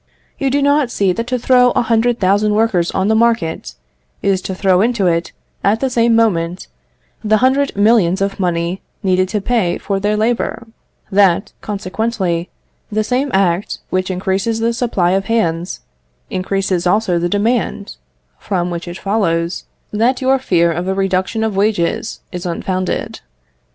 You do not see that to throw a hundred thousand workers on the market, is to throw into it, at the same moment, the hundred millions of money needed to pay for their labour: that, consequently, the same act which increases the supply of hands, increases also the demand; from which it follows, that your fear of a reduction of wages is unfounded.